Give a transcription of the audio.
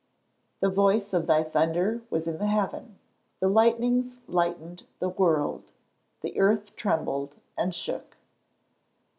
[Verse: "The voice of thy thunder was in the heaven: the lightnings lightened the world, the earth trembled and shook."